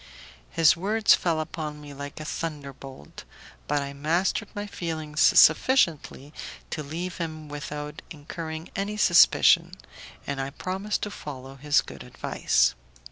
His words fell upon me like a thunder bolt, but I mastered my feelings sufficiently to leave him without incurring any suspicion, and I promised to follow his good advice.